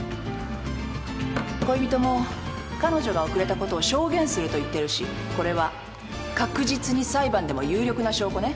恋人も彼女が遅れたことを証言すると言ってるしこれは確実に裁判でも有力な証拠ね。